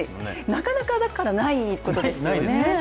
なかなかないことですよね。